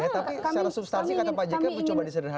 tapi secara substansi kata pak jk mencoba disederhana